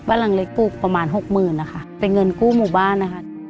ประมาณ๖หมื่นนะคะเป็นเงินกู้หมู่บ้านนะคะ